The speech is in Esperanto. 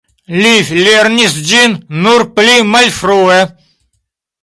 Li lernis ĝin nur pli malfrue.